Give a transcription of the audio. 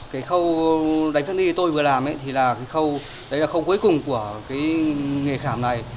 cái khâu đánh thức y tôi vừa làm thì là cái khâu đấy là khâu cuối cùng của cái nghề khảm này